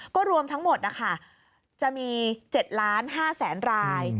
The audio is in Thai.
ก็รวมทั้งหมดจะมี๗๕๐๐๐๐๐ราย